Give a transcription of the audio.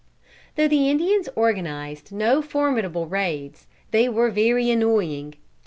Though the Indians organized no formidable raids, they were very annoying.